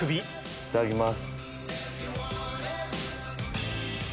いただきます。